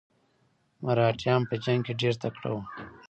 مراتیان په جنګ کې ډیر تکړه وو.